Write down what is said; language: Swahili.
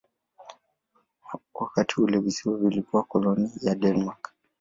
Wakati ule visiwa vilikuwa koloni ya Denmark.